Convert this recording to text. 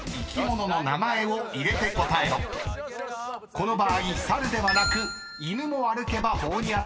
［この場合猿ではなく「犬も歩けば棒に当たる」が正解です］